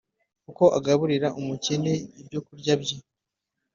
kuko agaburira umukene ibyokurya bye